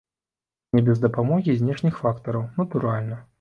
Не без дапамогі знешніх фактараў, натуральна.